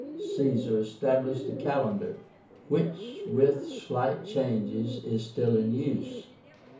Caesar established a calendar, which, with slight changes, is still in use.